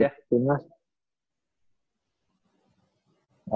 iya untuk tim nas ya